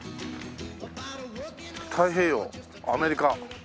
太平洋アメリカ。